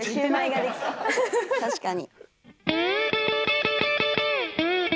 確かに。